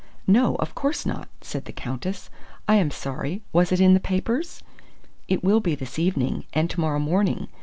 "No, of course not," said the Countess. "I am sorry! Was it in the papers?" "It will be this evening and to morrow morning!